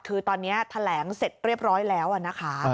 คือตอนนี้แถลงเสร็จเรียบร้อยแล้วนะคะ